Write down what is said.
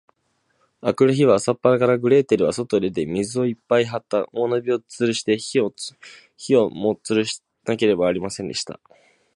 あくる日は、朝っぱらから、グレーテルはそとへ出て、水をいっぱいはった大鍋をつるして、火をもしつけなければなりませんでした。